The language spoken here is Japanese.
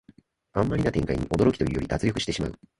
あんまりな展開に驚きというより脱力してしまう